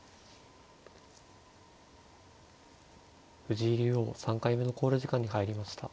藤井竜王３回目の考慮時間に入りました。